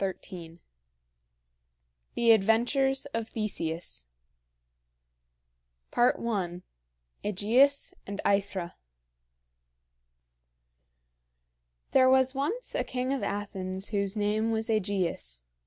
THE ADVENTURES OF THESEUS. I. AEGEUS AND AETHRA. There was once a king of Athens whose name was AEgeus.